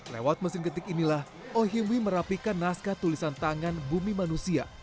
lewat mesin getik inilah ohimwi merapikan naskah tulisan tangan bumi manusia